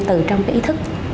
từ trong cái ý thức